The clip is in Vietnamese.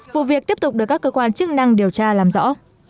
vụ việc tiếp tục được các cơ quan chức năng điều tra làm rõ